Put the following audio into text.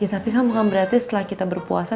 tapi kan bukan berarti setelah kita berpuasa